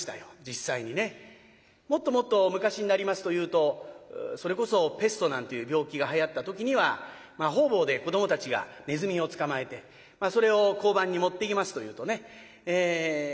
もっともっと昔になりますというとそれこそペストなんていう病気がはやった時には方々で子どもたちがネズミを捕まえてそれを交番に持っていきますというとね